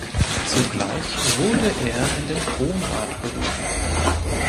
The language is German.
Zugleich wurde er in den Kronrat berufen.